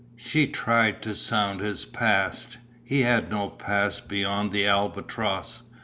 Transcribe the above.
She tried to sound his past. He had no past beyond the Albatross.